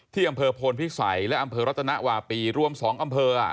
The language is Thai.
ที่อำเภอโพนพิสัยและอำเภอรัตนวาปีรวม๒อำเภอ